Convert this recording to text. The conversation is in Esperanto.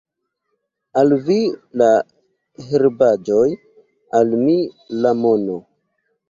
Al vi la herbaĵoj, al mi la mono.